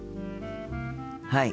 はい。